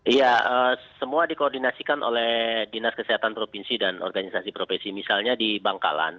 iya semua dikoordinasikan oleh dinas kesehatan provinsi dan organisasi profesi misalnya di bangkalan